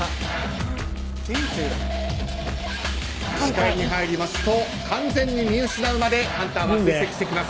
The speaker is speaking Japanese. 視界に入りますと完全に見失うまでハンターは追跡してきます。